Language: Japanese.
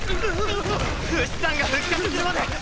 フシさんが復活するまで耐えるんだ！